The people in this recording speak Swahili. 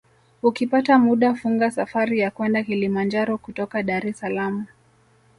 Ukipata muda funga safari ya kwenda Kilimanjaro kutoka Dar es Salaam